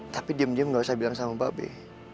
tapi diem diem gak usah bilang sama mbak be